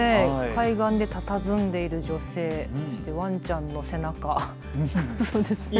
海岸でたたずんでいる女性、わんちゃんの背中。